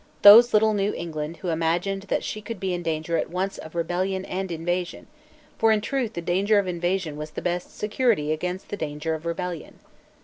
Those little knew England who imagined that she could be in danger at once of rebellion and invasion; for in truth the danger of invasion was the best security against the danger of rebellion.